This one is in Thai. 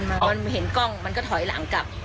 มันเห็นกล้องมันก็ถอยหลังกลับ